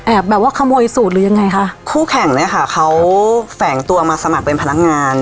แบบว่าขโมยสูตรหรือยังไงคะคู่แข่งเนี้ยค่ะเขาแฝงตัวมาสมัครเป็นพนักงาน